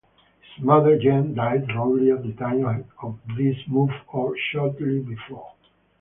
His mother Jean died roughly at the time of this move or shortly before.